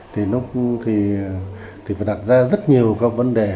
thì phải đặt ra rất nhiều các vấn đề